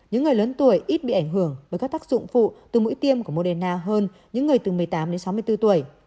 những người lớn tuổi ít bị ảnh hưởng bởi các tác dụng phụ từ mũi tiêm của moderna hơn những người từ một mươi tám đến sáu mươi bốn tuổi